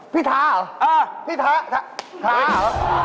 พี่ท้าเหรอพี่ท้าท้าเหรอพี่ท้า